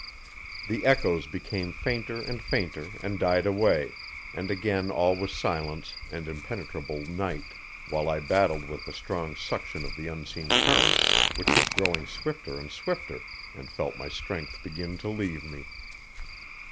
The echoes became fainter and fainter and died away, and again all was silence and impenetrable night, while I battled with the strong suction of the unseen current, which was growing swifter and swifter, and felt my strength begin to leave me.